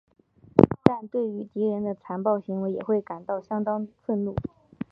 但对于敌人的残暴行为也会感到相当愤怒。